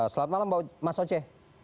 selamat malam mas oce